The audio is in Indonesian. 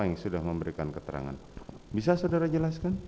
yang sudah memberikan keterangan bisa saudara jelaskan